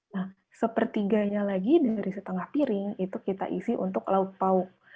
nah sepertiganya lagi dari setengah piring itu kita isi untuk lauk pauk